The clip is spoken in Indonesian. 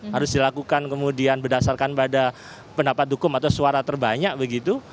harus dilakukan kemudian berdasarkan pada pendapat hukum atau suara terbanyak begitu